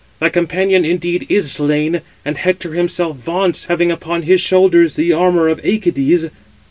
Thy companion indeed is slain; and Hector himself vaunts, having upon his shoulders the armour of Æacides."